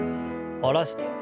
下ろして。